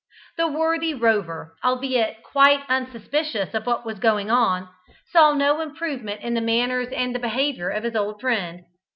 The worthy Rover, albeit quite unsuspicious of what was going on, saw no improvement in the manners and behaviour of his old friend.